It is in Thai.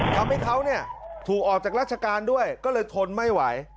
ทำให้เขาถูกออกจากราชการด้วยก็เลยทนไม่ไหว